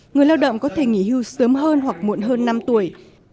người lao động có thể nghỉ hưu sớm hơn hoặc muộn hơn năm tuổi